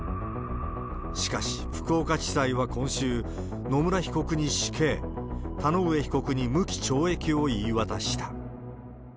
しかし、福岡地裁は今週、野村被告に死刑、田上被告に無期懲役を言い渡した。